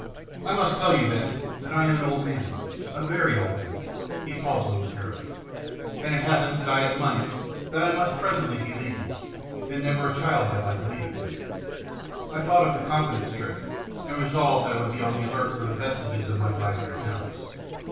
" I must tell you, then, that I am an old man, a very old man." He paused momentarily. " And it happens that I have money that I must presently be leaving, and never a child have I to leave it to." I thought of the confidence trick, and resolved I would be on the alert for the vestiges of my five hundred pounds.